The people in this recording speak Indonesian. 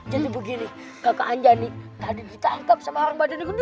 jadi begini kakak anjani tadi ditangkap sama orang badannya kedua